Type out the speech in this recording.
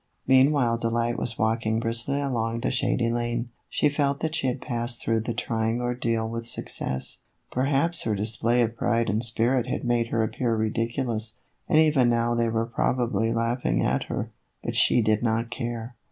Meanwhile Delight was walking briskly along the shady lane. She felt that she had passed through the trying ordeal with success ; perhaps her display of pride and spirit had made her appear ridiculous, and even now they were probably laughing at her ; but she did not care.